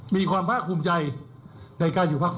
มีความพระคุมใจ